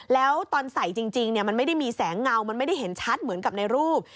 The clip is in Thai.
แล้วตอนใส่จริงมันไม่ได้มีแสงเงามันไม่ได้เห็นชัดเหมือนกับในรูป